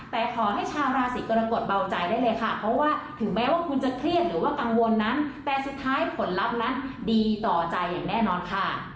แต่ขอให้ชาวราศีกรกฎเบาใจได้เลยค่ะเพราะว่าถึงแม้ว่าคุณจะเครียดหรือว่ากังวลนั้นแต่สุดท้ายผลลัพธ์นั้นดีต่อใจอย่างแน่นอนค่ะ